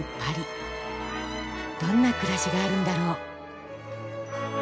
どんな暮らしがあるんだろう？